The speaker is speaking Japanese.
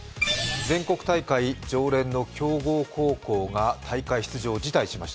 全国大会常連の強豪高校が大会出場を辞退しました。